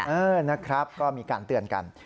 เออนะครับก็มีการเตือนกัน